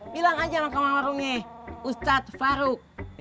hilang aja mangkama warungnya ustadz faruk